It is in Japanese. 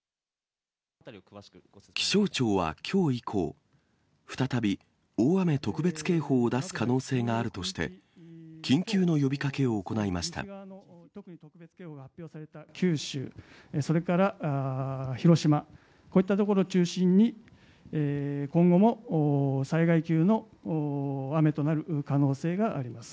気象庁はきょう以降、再び大雨特別警報を出す可能性があるとして、緊急の呼びかけを行九州、それから広島、こういった所を中心に今後も災害級の雨となる可能性があります。